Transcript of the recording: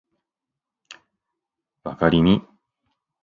わかりみ